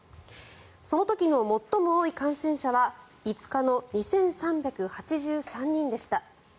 その時の最も多い感染者は５日の２３８３人でした。